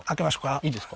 いいですか？